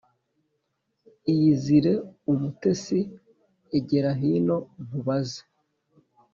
iyizire umutesi egera hino nkubaze